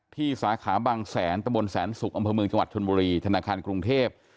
สาขาบางแสนตะบนแสนศุกร์อำเภอเมืองจังหวัดชนบุรีธนาคารกรุงเทพ